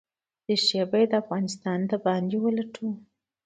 ریښې به «له افغانستانه د باندې ولټوو».